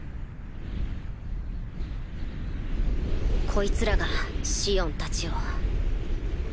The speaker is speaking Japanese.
こいつらがシオンたちを。